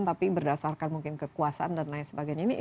tapi berdasarkan mungkin kekuasaan dan lain sebagainya